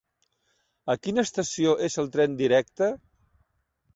A quina estació és el tren directe?